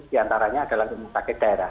di antaranya adalah rumah sakit daerah